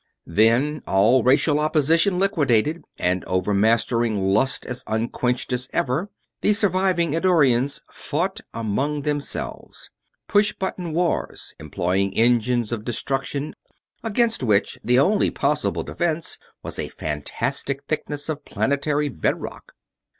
Then, all racial opposition liquidated and overmastering lust as unquenched as ever, the surviving Eddorians fought among themselves: "push button" wars employing engines of destruction against which the only possible defense was a fantastic thickness of planetary bedrock.